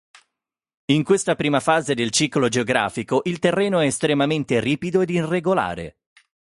In questa prima fase del ciclo geografico il terreno è estremamente ripido ed irregolare.